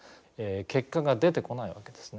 結果が出てこないわけですね。